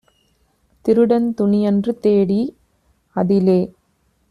திருடன் துணியன்று தேடி, அதிலே